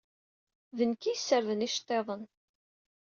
D nekk ay yessarden iceḍḍiḍen.